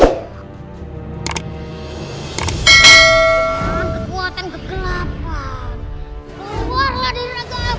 dengan kekuatan kegelapan